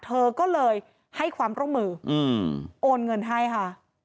เธอก็เลยให้ความร่วมมือโอนเงินให้ค่ะ